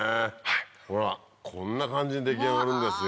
ほらこんな感じに出来上がるんですよ。